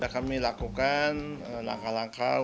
kita lakukan langkah langkah